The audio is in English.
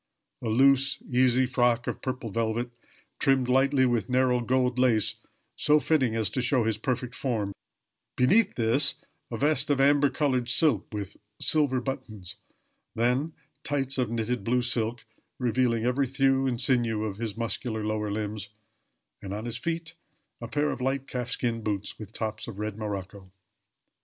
A loose, easy frock of purple velvet, trimmed lightly with narrow gold lace, so fitting as to show his perfect form; beneath this a vest of amber colored silk, with silver buttons; then tights of knitted blue silk, revealing every thew and sinew of his muscular lower limbs; and on his feet a pair of light calf skin boots, with tops of red morocco.